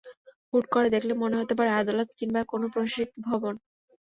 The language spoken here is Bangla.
হুট করে দেখলে মনে হতে পারে, আদালত কিংবা কোনো প্রশাসনিক ভবন।